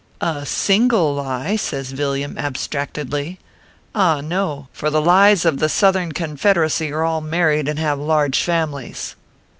" A single lie !" says Villiam, abstractedly ; "ah, no ! for the lies of the Southern Confederacy are all married, and have large families."